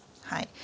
はい。